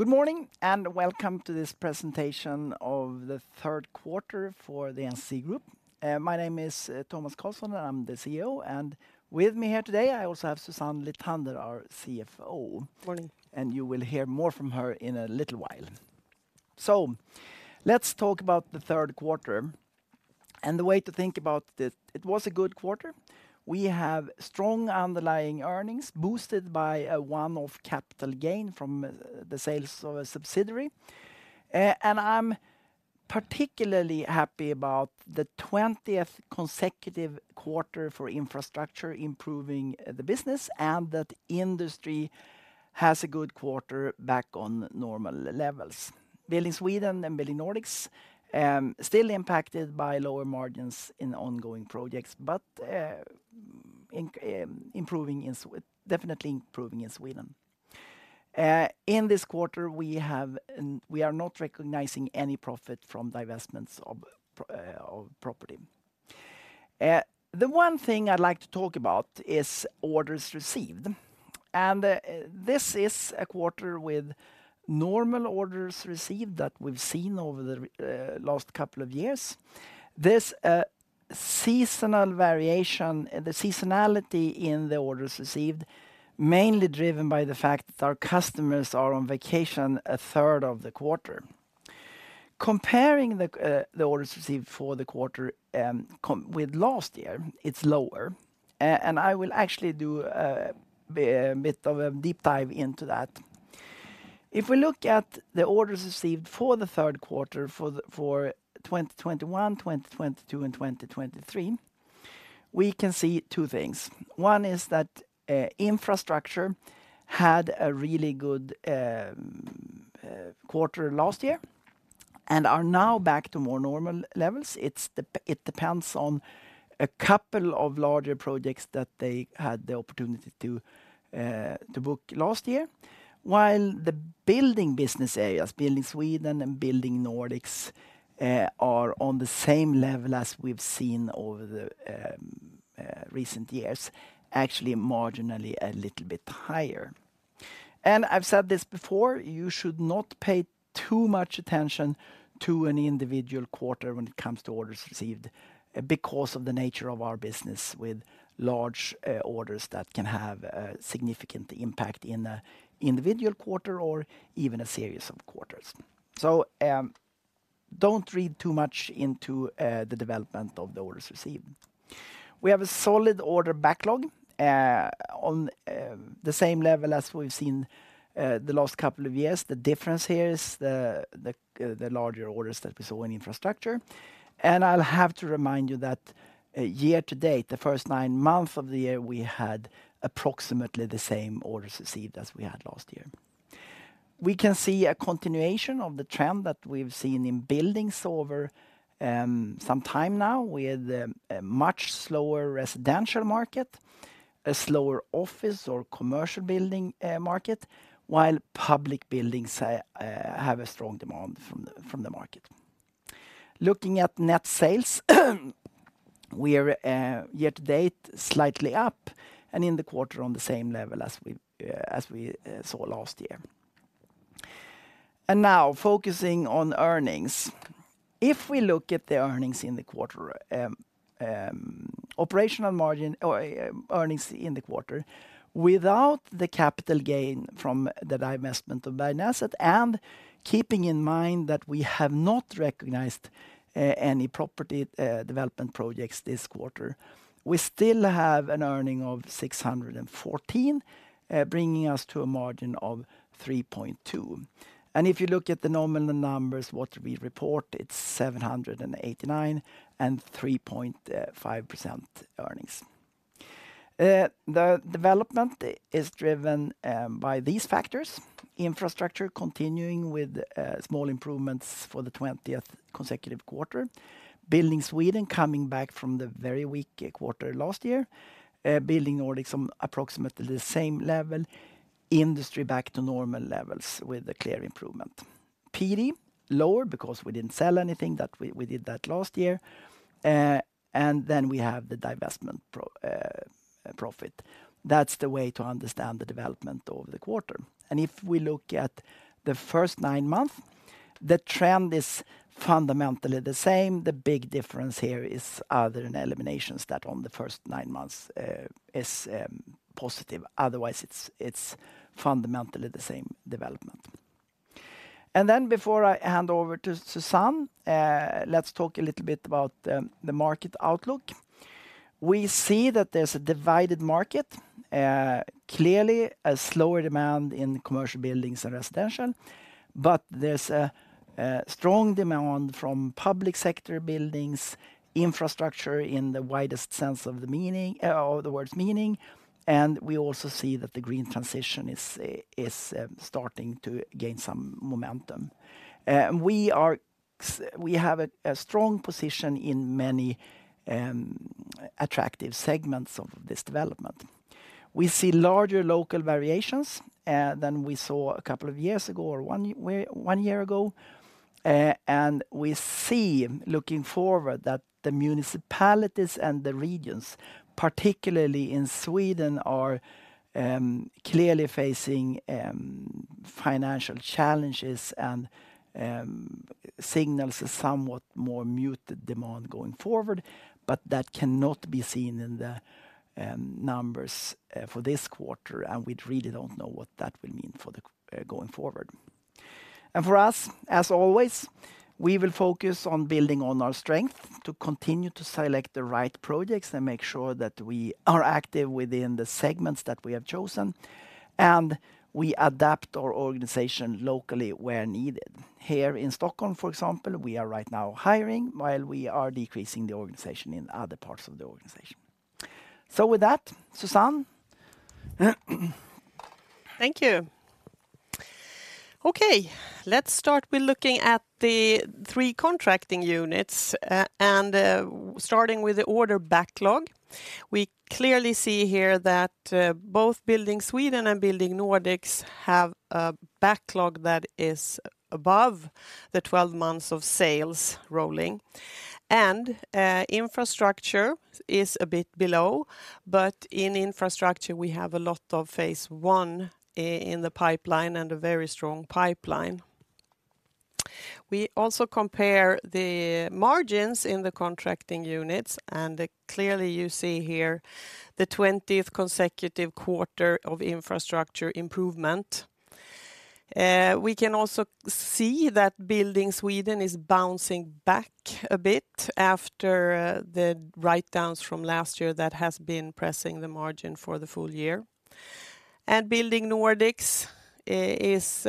Good morning, and welcome to this presentation of the Q3 for the NCC Group. My name is Tomas Carlsson, and I'm the CEO. With me here today, I also have Susanne Lithander, our CFO. Morning. And you will hear more from her in a little while. So let's talk about the Q3, and the way to think about it, it was a good quarter. We have strong underlying earnings, boosted by a one-off capital gain from the sales of a subsidiary. And I'm particularly happy about the 20th consecutive quarter for infrastructure, improving the business, and that industry has a good quarter back on normal levels. Building Sweden and Building Nordics still impacted by lower margins in ongoing projects, but improving in Sweden. Definitely improving in Sweden. In this quarter, we have. We are not recognizing any profit from divestments of property. The one thing I'd like to talk about is orders received, and this is a quarter with normal orders received that we've seen over the last couple of years. This seasonal variation, the seasonality in the orders received, mainly driven by the fact that our customers are on vacation a third of the quarter. Comparing the orders received for the quarter with last year, it's lower. And I will actually do a bit of a deep dive into that. If we look at the orders received for the Q3 for 2021, 2022, and 2023, we can see two things. One is that infrastructure had a really good quarter last year and are now back to more normal levels. It depends on a couple of larger projects that they had the opportunity to book last year. While the building business areas, Building Sweden and Building Nordics, are on the same level as we've seen over the recent years, actually marginally a little bit higher. And I've said this before, you should not pay too much attention to any individual quarter when it comes to orders received because of the nature of our business with large orders that can have a significant impact in an individual quarter or even a series of quarters. So, don't read too much into the development of the orders received. We have a solid order backlog on the same level as we've seen the last couple of years. The difference here is the larger orders that we saw in infrastructure. And I'll have to remind you that year to date, the first nine months of the year, we had approximately the same orders received as we had last year. We can see a continuation of the trend that we've seen in buildings over some time now, with a much slower residential market, a slower office or commercial building market, while public buildings have a strong demand from the market. Looking at net sales, we are year to date, slightly up, and in the quarter on the same level as we saw last year. And now focusing on earnings. If we look at the earnings in the quarter, operational margin or earnings in the quarter, without the capital gain from the divestment of an asset, and keeping in mind that we have not recognized any property development projects this quarter, we still have an earning of 614, bringing us to a margin of 3.2%. And if you look at the nominal numbers, what we report, it's 789 and 3.5% earnings. The development is driven by these factors: Infrastructure continuing with small improvements for the 20th consecutive quarter. Building Sweden coming back from the very weak quarter last year. Building Nordics on approximately the same level. Industry back to normal levels with a clear improvement. PD lower because we didn't sell anything that we did that last year. And then we have the divestment profit. That's the way to understand the development over the quarter. And if we look at the first nine months, the trend is fundamentally the same. The big difference here is other than eliminations that on the first nine months is positive. Otherwise, it's fundamentally the same development. And then, before I hand over to Susanne, let's talk a little bit about the market outlook. We see that there's a divided market. Clearly, a slower demand in commercial buildings and residential, but there's a strong demand from public sector buildings, infrastructure in the widest sense of the word's meaning, and we also see that the green transition is starting to gain some momentum. We have a strong position in many attractive segments of this development. We see larger local variations than we saw a couple of years ago, or one year ago. And we see, looking forward, that the municipalities and the regions, particularly in Sweden, are clearly facing financial challenges and signals a somewhat more muted demand going forward. But that cannot be seen in the numbers for this quarter, and we really don't know what that will mean for the going forward. And for us, as always, we will focus on building on our strength to continue to select the right projects and make sure that we are active within the segments that we have chosen, and we adapt our organization locally where needed. Here in Stockholm, for example, we are right now hiring, while we are decreasing the organization in other parts of the organization. So with that, Susanne? Thank you. Okay, let's start with looking at the three contracting units, and starting with the order backlog. We clearly see here that both Building Sweden and Building Nordics have a backlog that is above the 12 months of sales rolling, and infrastructure is a bit below. But in infrastructure, we have a lot of phase one in the pipeline, and a very strong pipeline. We also compare the margins in the contracting units, and clearly, you see here the 20th consecutive quarter of infrastructure improvement. We can also see that Building Sweden is bouncing back a bit after the write-downs from last year that has been pressing the margin for the full year. And Building Nordics is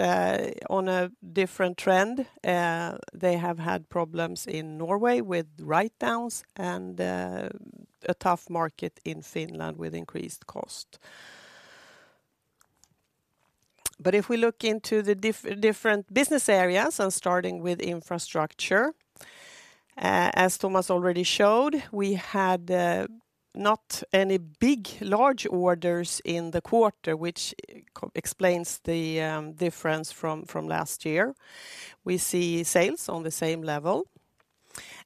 on a different trend. They have had problems in Norway with write-downs and a tough market in Finland with increased cost. But if we look into the different business areas, and starting with infrastructure, as Tomas already showed, we had not any big, large orders in the quarter, which explains the difference from last year. We see sales on the same level,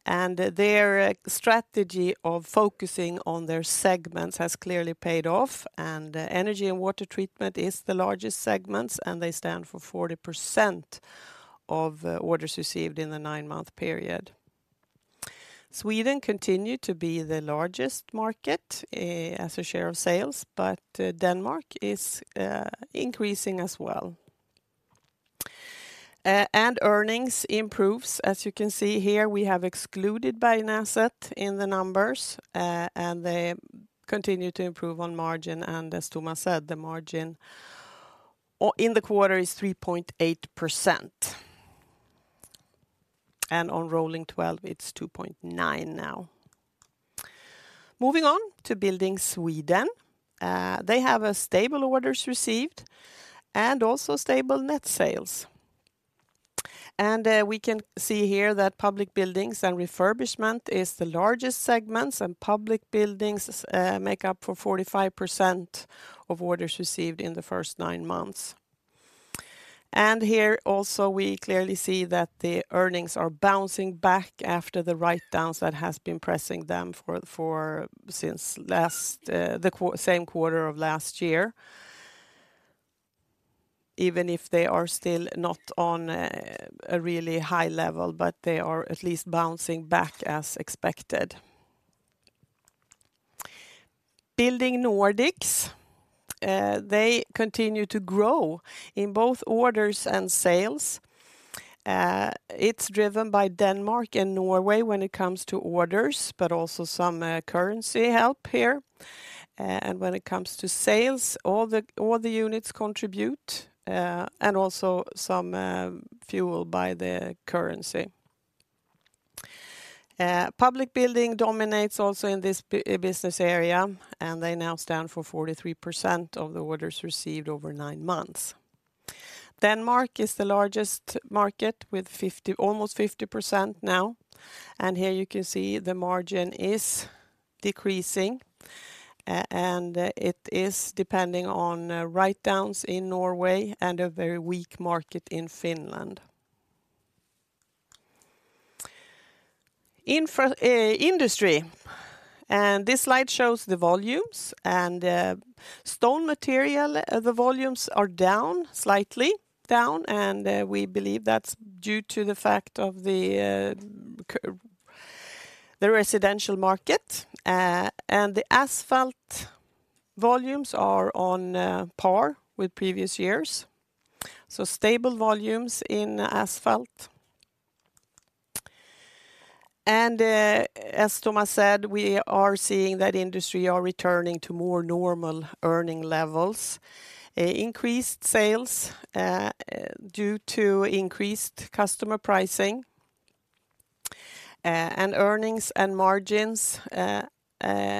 and their strategy of focusing on their segments has clearly paid off, and Energy and Water Treatment is the largest segments, and they stand for 40% of orders received in the nine-month period. Sweden continued to be the largest market as a share of sales, but Denmark is increasing as well. And earnings improves. As you can see here, we have excluded Bergnäset in the numbers, and they continue to improve on margin, and as Tomas said, the margin in the quarter is 3.8%. On rolling twelve, it's 2.9 now. Moving on to Building Sweden, they have a stable orders received and also stable net sales. We can see here that Public Buildings and Refurbishment is the largest segments, and Public Buildings make up for 45% of orders received in the first nine months. Here also, we clearly see that the earnings are bouncing back after the write-downs that has been pressing them since last, the same quarter of last year, even if they are still not on a really high level, but they are at least bouncing back as expected. Building Nordics, they continue to grow in both orders and sales. It's driven by Denmark and Norway when it comes to orders, but also some currency help here. And when it comes to sales, all the units contribute, and also some fuel by the currency. Public Building dominates also in this business area, and they now stand for 43% of the orders received over nine months. Denmark is the largest market, with 50, almost 50% now, and here you can see the margin is decreasing, and it is depending on write-downs in Norway and a very weak market in Finland. Infra industry, and this slide shows the volumes, and stone material, the volumes are down, slightly down, and we believe that's due to the fact of the residential market. And the asphalt volumes are on par with previous years, so stable volumes in asphalt. As Tomas said, we are seeing that industry are returning to more normal earning levels. Increased sales due to increased customer pricing, and earnings and margins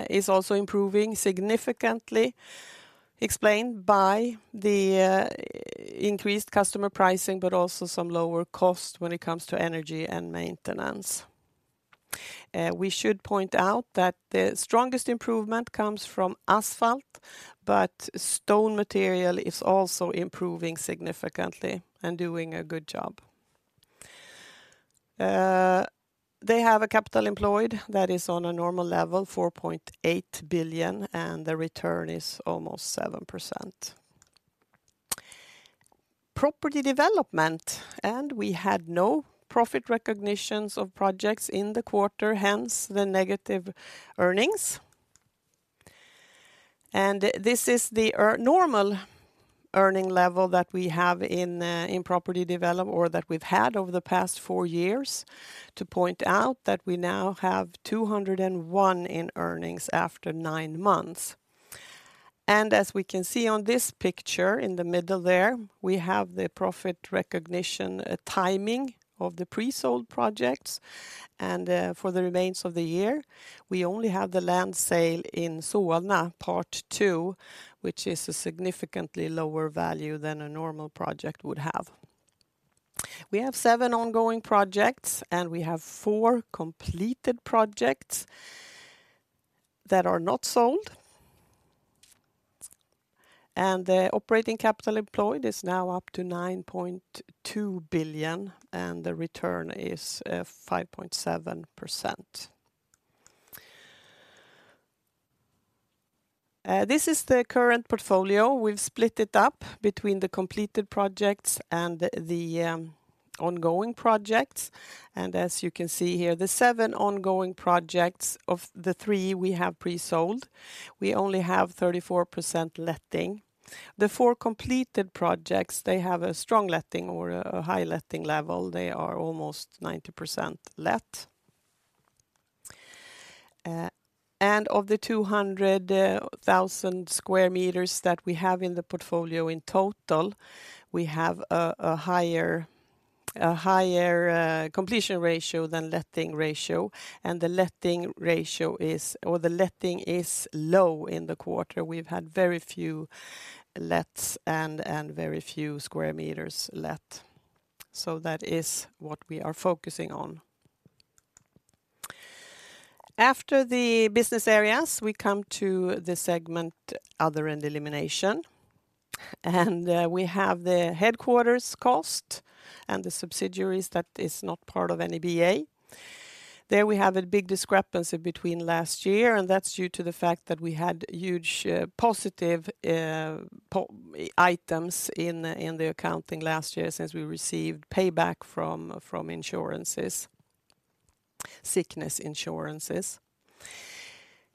is also improving significantly, explained by the increased customer pricing, but also some lower cost when it comes to energy and maintenance. We should point out that the strongest improvement comes from asphalt, but stone material is also improving significantly and doing a good job. They have a capital employed that is on a normal level, 4.8 billion, and the return is almost 7%. Property development, and we had no profit recognitions of projects in the quarter, hence the negative earnings. This is the normal earning level that we have in property development or that we've had over the past four years, to point out that we now have 201 in earnings after nine months. As we can see on this picture, in the middle there, we have the profit recognition timing of the pre-sold projects, and for the remains of the year, we only have the land sale in Solna, part two, which is a significantly lower value than a normal project would have. We have seven ongoing projects, and we have four completed projects that are not sold. The operating capital employed is now up to 9.2 billion, and the return is 5.7%. This is the current portfolio. We've split it up between the completed projects and the ongoing projects. And as you can see here, the seven ongoing projects, of the three we have pre-sold, we only have 34% letting. The four completed projects, they have a strong letting or a high letting level. They are almost 90% let. And of the 200,000 square meters that we have in the portfolio in total, we have a higher completion ratio than letting ratio, and the letting ratio is or the letting is low in the quarter. We've had very few lets and very few square meters let. So that is what we are focusing on. After the business areas, we come to the segment, Other and Elimination, and we have the headquarters cost and the subsidiaries that is not part of any BA. There we have a big discrepancy between last year, and that's due to the fact that we had huge, positive items in the accounting last year, since we received payback from insurances, sickness insurances.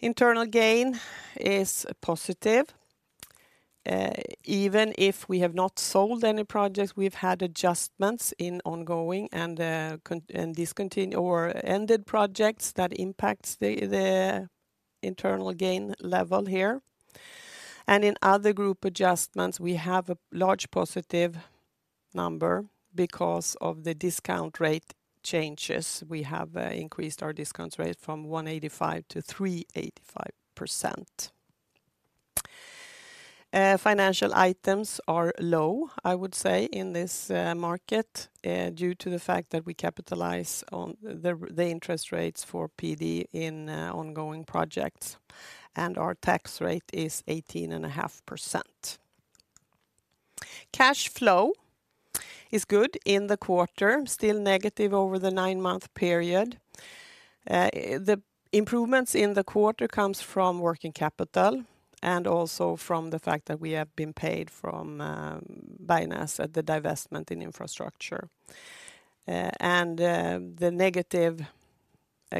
Internal gain is positive. Even if we have not sold any projects, we've had adjustments in ongoing and completed and discontinued or ended projects that impacts the internal gain level here. And in other group adjustments, we have a large positive number because of the discount rate changes. We have increased our discount rate from 1.85% to 3.85%. Financial items are low, I would say, in this market due to the fact that we capitalize on the interest rates for PD in ongoing projects, and our tax rate is 18.5%. Cash flow is good in the quarter, still negative over the nine-month period. The improvements in the quarter comes from working capital and also from the fact that we have been paid from, Bergnäset, the divestment in infrastructure. The negative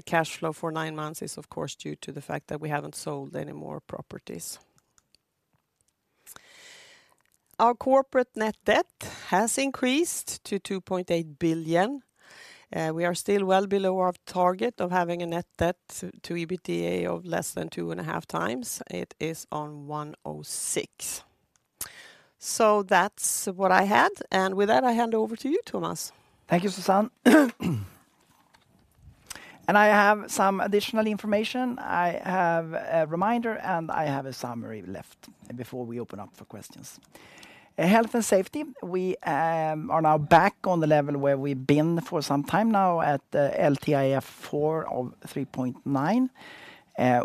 cash flow for nine months is, of course, due to the fact that we haven't sold any more properties. Our corporate net debt has increased to 2.8 billion. We are still well below our target of having a net debt to EBITDA of less than 2.5 times. It is at 1.06. So that's what I had, and with that, I hand over to you, Tomas. Thank you, Susanne. I have some additional information. I have a reminder, and I have a summary left before we open up for questions. Health and safety, we are now back on the level where we've been for some time now at LTIF 4 of 3.9.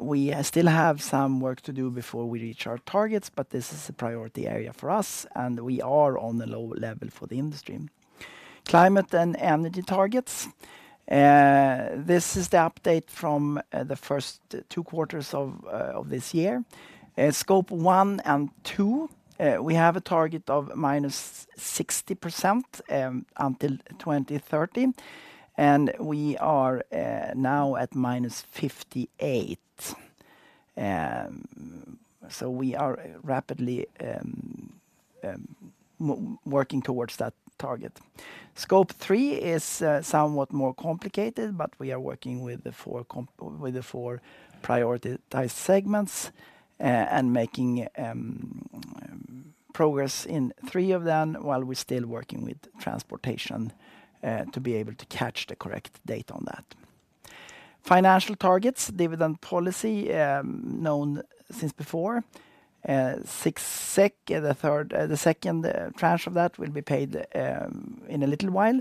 We still have some work to do before we reach our targets, but this is a priority area for us, and we are on the lower level for the industry. Climate and energy targets. This is the update from the first two quarters of this year. Scope 1 and 2, we have a target of -60% until 2030, and we are now at -58%. We are rapidly working towards that target. Scope 3 is somewhat more complicated, but we are working with the 4 prioritized segments and making progress in 3 of them, while we're still working with transportation to be able to catch the correct date on that. Financial targets, dividend policy, known since before Six SEK, the third, the second tranche of that will be paid in a little while.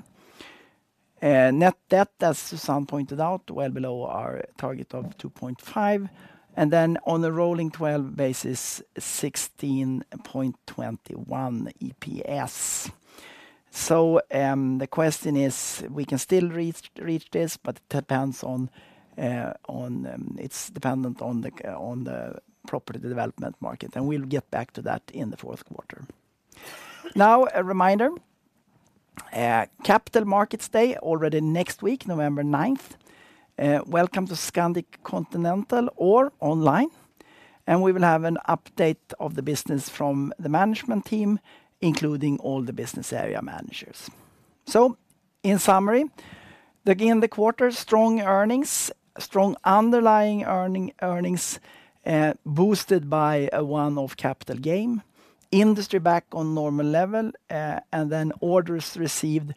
Net debt, as Susanne pointed out, well below our target of 2.5, and then on the rolling twelve basis, 16.21 EPS. So, the question is, we can still reach this, but it depends on, it's dependent on the property development market, and we'll get back to that in the Q4. Now, a reminder, Capital Markets Day, already next week, November ninth. Welcome to Scandic Continental or online, and we will have an update of the business from the management team, including all the business area managers. So in summary, again, the quarter, strong earnings, strong underlying earning, earnings, boosted by a one-off capital gain. Industry back on normal level, and then orders received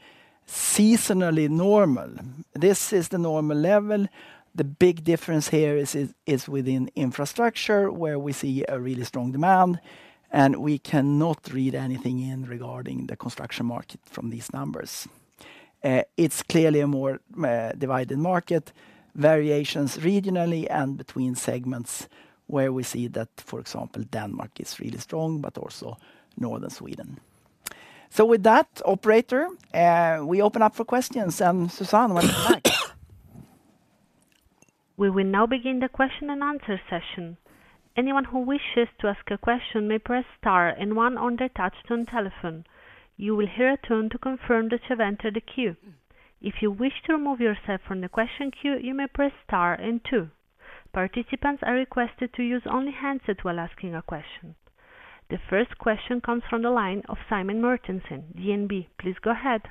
seasonally normal. This is the normal level. The big difference here is, is within infrastructure, where we see a really strong demand, and we cannot read anything in regarding the construction market from these numbers. It's clearly a more, divided market, variations regionally and between segments where we see that, for example, Denmark is really strong, but also northern Sweden. So with that, operator, we open up for questions, and Susanne, welcome back. We will now begin the question and answer session. Anyone who wishes to ask a question may press star and one on their touchtone telephone. You will hear a tone to confirm that you've entered the queue. If you wish to remove yourself from the question queue, you may press star and two. Participants are requested to use only handset while asking a question. The first question comes from the line of Simen Mortensen, DNB. Please go ahead.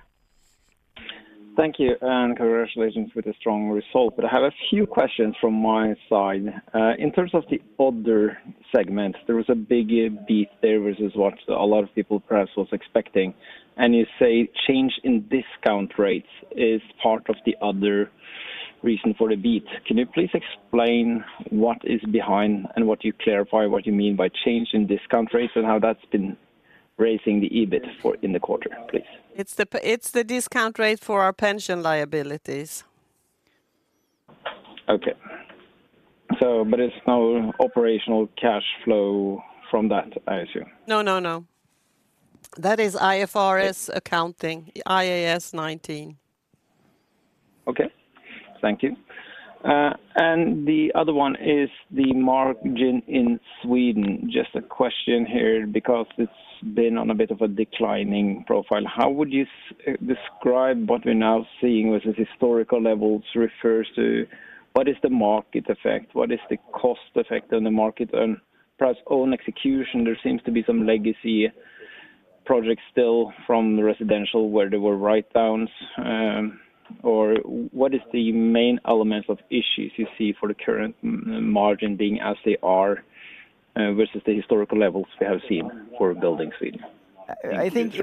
Thank you, and congratulations with the strong result. But I have a few questions from my side. In terms of the other segment, there was a big beat there, versus what a lot of people perhaps was expecting. And you say, "Change in discount rates is part of the other reason for the beat." Can you please explain what is behind and what you clarify what you mean by change in discount rates, and how that's been raising the EBIT in the quarter, please? It's the discount rate for our pension liabilities. Okay. But there's no operational cash flow from that, I assume? No, no, no. That is IFRS accounting, IAS 19. Okay, thank you. The other one is the margin in Sweden. Just a question here, because it's been on a bit of a declining profile. How would you describe what we're now seeing versus historical levels refers to what is the market effect, what is the cost effect on the market? And perhaps on execution, there seems to be some legacy projects still from the residential, where there were write-downs. Or what is the main elements of issues you see for the current margin being as they are, versus the historical levels we have seen for Building Sweden? I think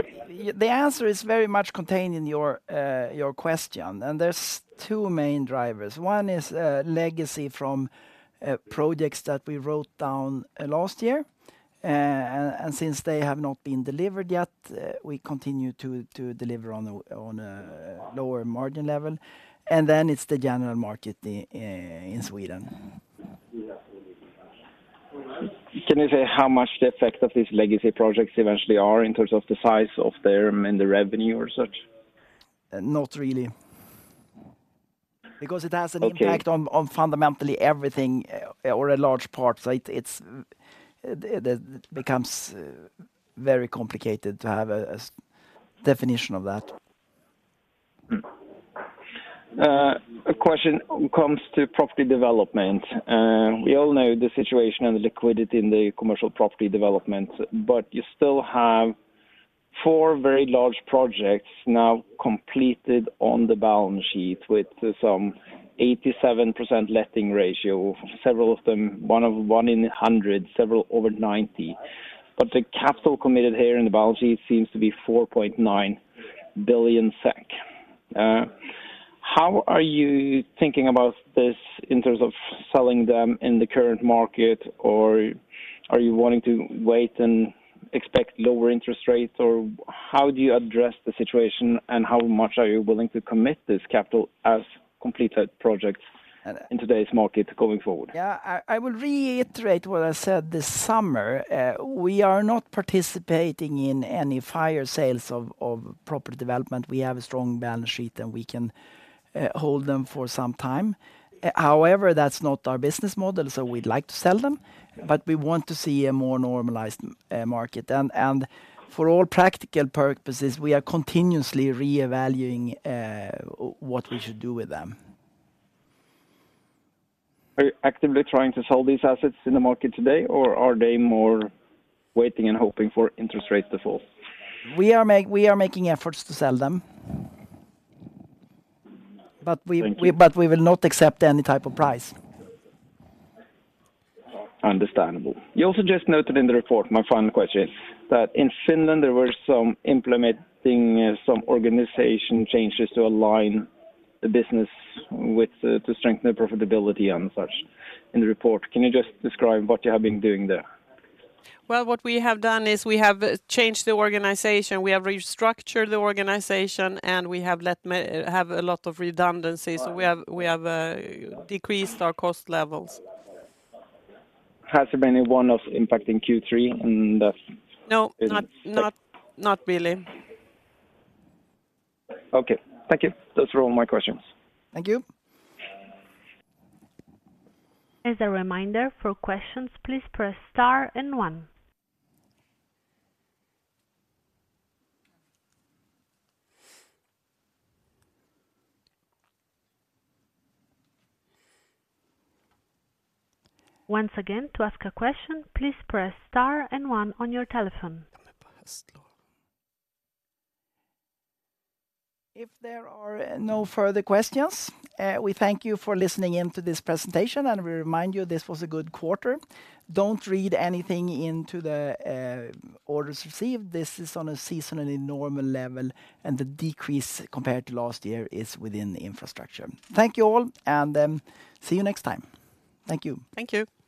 the answer is very much contained in your question, and there's two main drivers. One is legacy from projects that we wrote down last year. And since they have not been delivered yet, we continue to deliver on a lower margin level, and then it's the general market in Sweden. Can you say how much the effect of these legacy projects eventually are in terms of the size of them and the revenue or such? Not really. Okay. Because it has an impact on fundamentally everything, or a large part. So it's very complicated to have a definition of that. A question comes to property development. We all know the situation and the liquidity in the commercial property development, but you still have four very large projects now completed on the balance sheet, with some 87% letting ratio, several of them, one of them 100%, several over 90%. But the capital committed here in the balance sheet seems to be 4.9 billion SEK. How are you thinking about this in terms of selling them in the current market? Or are you wanting to wait and expect lower interest rates? Or how do you address the situation, and how much are you willing to commit this capital as completed projects in today's market going forward? Yeah, I will reiterate what I said this summer. We are not participating in any fire sales of property development. We have a strong balance sheet, and we can hold them for some time. However, that's not our business model, so we'd like to sell them, but we want to see a more normalized market. And for all practical purposes, we are continuously reevaluating what we should do with them. Are you actively trying to sell these assets in the market today, or are they more waiting and hoping for interest rates to fall? We are making efforts to sell them. Thank you. But we will not accept any type of price. Understandable. You also just noted in the report, my final question, that in Finland there were some implementing, some organization changes to align the business with the strengthen the profitability and such in the report. Can you just describe what you have been doing there? Well, what we have done is we have changed the organization. We have restructured the organization, and we have let a lot of redundancies. We have decreased our cost levels. Has there been any one of impacting Q3 in the- No, not really. Okay. Thank you. Those are all my questions. Thank you. As a reminder, for questions, please press star and one. Once again, to ask a question, please press star and one on your telephone. If there are no further questions, we thank you for listening in to this presentation, and we remind you this was a good quarter. Don't read anything into the orders received. This is on a seasonally normal level, and the decrease compared to last year is within the infrastructure. Thank you all, and see you next time. Thank you. Thank you.